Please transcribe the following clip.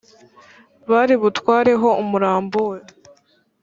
bari butwareho umurambo we